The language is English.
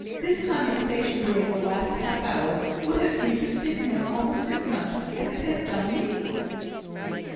This conversation during the last half hour would have interested him almost as much as it has done me."